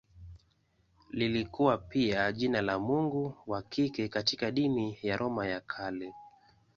Lilikuwa pia jina la mungu wa kike katika dini ya Roma ya Kale.